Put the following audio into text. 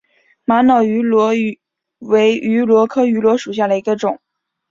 玛瑙芋螺为芋螺科芋螺属下的一个种。